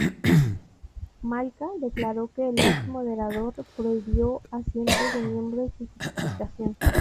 Malka declaró que el ex moderador prohibió a cientos de miembros sin justificación.